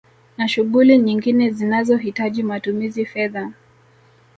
Na shughuli nyingine zinazo hitaji matumizi fedha